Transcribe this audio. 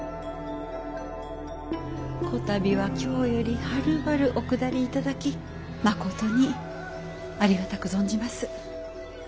こたびは京よりはるばるお下り頂きまことにありがたく存じます。